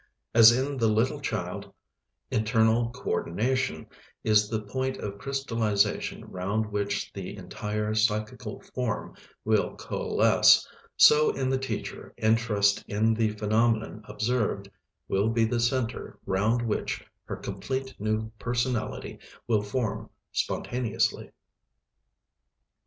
As in the little child internal coordination is the point of crystallization round which the entire psychical form will coalesce, so in the teacher interest in the phenomenon observed will be the center round which her complete new personality will form spontaneously.